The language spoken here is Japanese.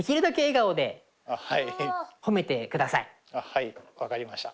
はい分かりました。